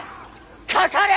かかれ！